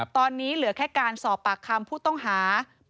ตอนนี้เหลือแค่การสอบปากคำ